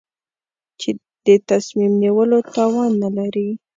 چې د تصمیم نیولو توان نه لري.